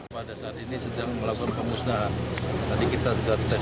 pada saat ini sedang melabur pemusnahan